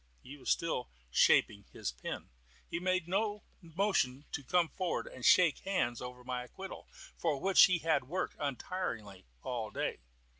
He was still shaping his pen. He made no motion to come forward and shake hands over my acquittal, for which he had worked untiringly all day.